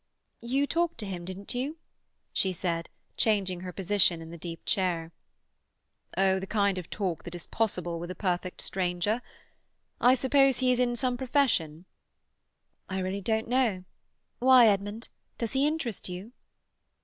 "You talked to him, didn't you?" she said, changing her position in the deep chair. "Oh, the kind of talk that is possible with a perfect stranger. I suppose he is in some profession?" "I really don't know. Why, Edmund? Does he interest you?"